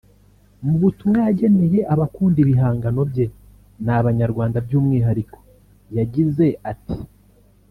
Mu butumwa yageneye abakunda ibihangano bye n’Abanyarwanda by’umwihariko yagize ati